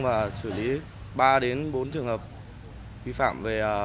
và xử lý ba đến bốn trường hợp vi phạm về trật tự an toàn xã hội